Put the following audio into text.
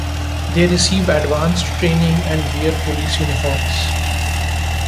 They receive advanced training and wear police uniforms.